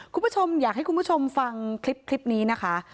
คุณผู้ชมอยากให้คุณผู้ชมฟังคลิปนี้นะคะ